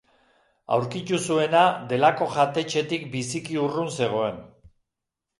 Aurkitu zuena delako jatetxetik biziki urrun zegoen.